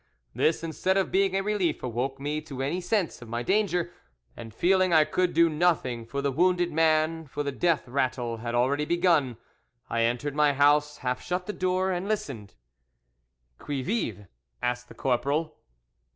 This, instead of being a relief, awoke me to a sense of my danger, and feeling I could do nothing for the wounded man, for the death rattle had already begun, I entered my house, half shut the door, and listened. "Qui vive?" asked the corporal.